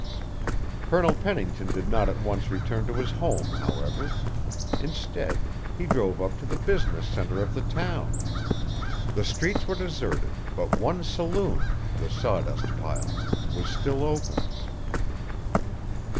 Colonel Pennington did not at once return to his home, however. Instead, he drove up to the business centre of the town. The streets were deserted, but one saloon the Sawdust Pile was still open.